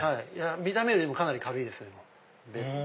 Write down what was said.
見た目よりかなり軽いですよ。